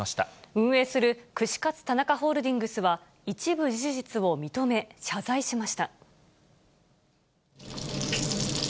運営する串カツ田中ホールディングスは、一部事実を認め、謝罪しました。